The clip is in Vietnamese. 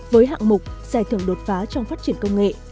với hạng mục giải thưởng đột phá trong phát triển công nghệ